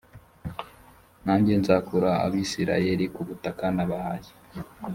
nanjye nzakura abisirayeli ku butaka nabahaye